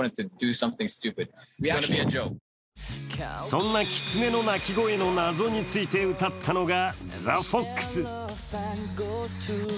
そんなきつねの鳴き声の謎について歌ったのが「ＴｈｅＦｏｘ」。